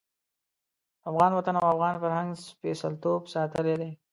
افغان وطن او افغان فرهنګ سپېڅلتوب ساتلی دی.